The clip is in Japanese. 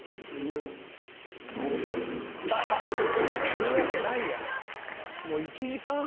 「言うわけないやん」